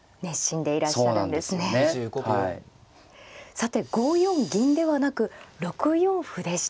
さて５四銀ではなく６四歩でした。